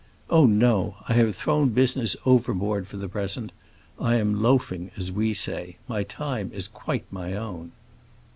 Oh no, I have thrown business overboard for the present. I am 'loafing,' as we say. My time is quite my own."